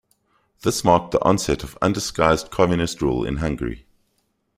This marked the onset of undisguised Communist rule in Hungary.